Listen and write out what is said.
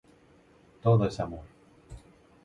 Todo es amor.